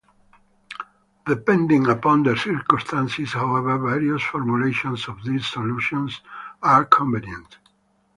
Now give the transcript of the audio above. Depending upon the circumstances, however, various formulations of these solutions are convenient.